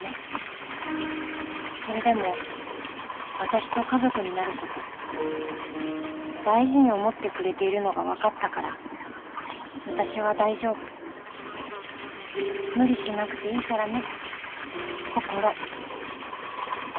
「それでも私と家族になること大事に思ってくれているのがわかったから私は大丈夫」「無理しなくていいからね」